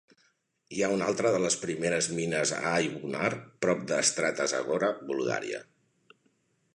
Hi ha una altra de les primeres mines a Ai Bunar, prop de Stara Zagora (Bulgària).